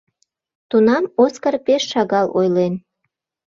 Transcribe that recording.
Тунам Оскар пеш шагал ойлен.